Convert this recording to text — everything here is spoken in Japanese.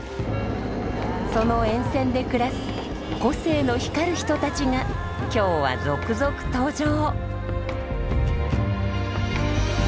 その沿線で暮らす個性の光る人たちが今日は続々登場！